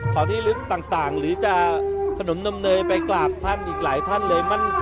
ของที่ลึกต่างหรือจะขนมนมเนยไปกราบท่านอีกหลายท่านเลย